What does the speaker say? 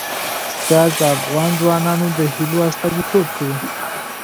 ګاز د افغان ځوانانو د هیلو استازیتوب کوي.